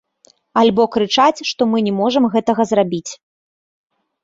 Альбо крычаць, што мы не можам гэтага зрабіць.